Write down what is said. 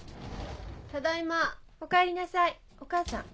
・ただいま・おかえりなさいお母さん。